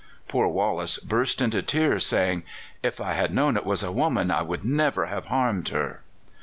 Poor Wallace burst into tears, saying: "If I had known it was a woman I would never have harmed her."